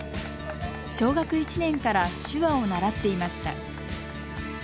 小学１年から手話を習っていました。